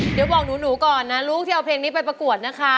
เดี๋ยวบอกหนูก่อนนะลูกที่เอาเพลงนี้ไปประกวดนะคะ